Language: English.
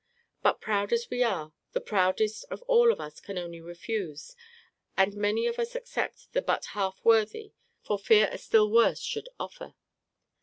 But proud as we are, the proudest of us all can only refuse, and many of us accept the but half worthy, for fear a still worse should offer.